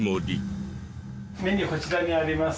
メニューこちらにあります。